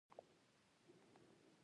کرنه د خوړو د وارداتو کچه کموي.